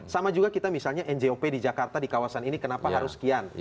sama juga kita misalnya njop di jakarta di kawasan ini kenapa harus sekian